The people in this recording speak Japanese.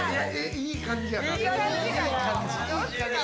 いい感じかな。